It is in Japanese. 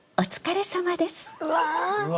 うわ！